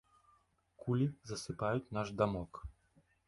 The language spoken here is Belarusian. Кулі засыпаюць наш дамок.